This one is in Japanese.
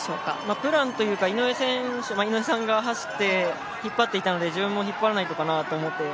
プランというか井上さんが走って引っ張っていたので自分も引っ張らないとと思って。